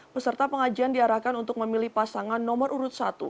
peserta pengajian diarahkan untuk memilih pasangan nomor urut satu